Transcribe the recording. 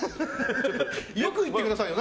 よく言ってくださいよ！